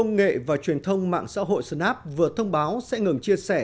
ngoại truyền thông mạng xã hội snap vừa thông báo sẽ ngừng chia sẻ